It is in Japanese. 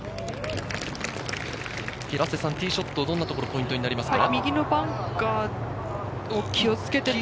ティーショット、どんなところがポイントになりますか？